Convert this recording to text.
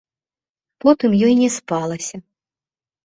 Потым ёй не спалася.